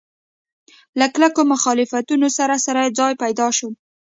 له کلکو مخالفتونو سره سره ځای پیدا شو.